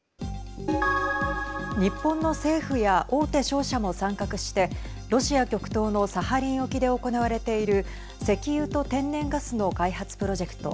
日本の政府や大手商社も参画してロシア極東のサハリン沖で行われている石油と天然ガスの開発プロジェクト